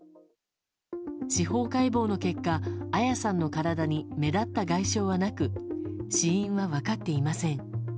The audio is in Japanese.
司法解剖の結果、彩さんの体に目立った外傷はなく死因は分かっていません。